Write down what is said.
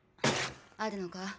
あるのか？